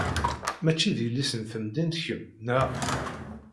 Mačči d yelli-s n temdint kemm, neɣ?